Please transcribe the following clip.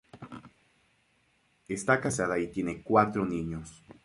Está casada y tiene cuatro niños.